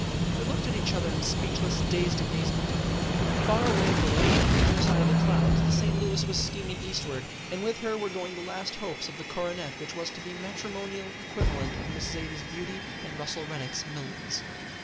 They looked at each other in speechless, dazed amazement. Far away below them on the other side of the clouds the St. Louis was steaming eastward, and with her were going the last hopes of the coronet which was to be the matrimonial equivalent of Miss Zaidie's beauty and Russell Rennick's millions.